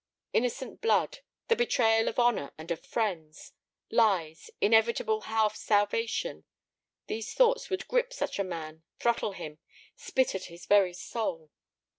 Innocent blood; the betrayal of honor and of friends; lies, inevitable self salvation. These thoughts would grip such a man, throttle him, spit at his very soul.